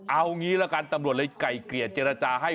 เอางี้ละกันตำรวจเลยไก่เกลี่ยเจรจาให้